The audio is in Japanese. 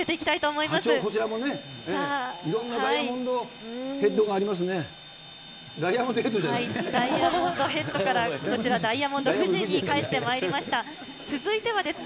いろんなダイヤモンドヘッドがありますね。